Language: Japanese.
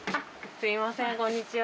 すみません、こんにちは。